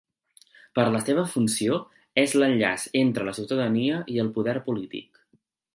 Per la seva funció, és l'enllaç entre la ciutadania i el Poder polític.